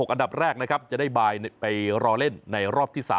อันดับแรกนะครับจะได้บายไปรอเล่นในรอบที่๓